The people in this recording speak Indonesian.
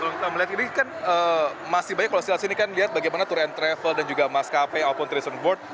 kita melihat ini kan masih banyak kalau silahkan lihat bagaimana tour and travel dan juga maskapai ataupun tourism board